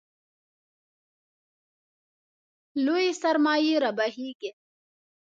لویې سرمایې رابهېږي.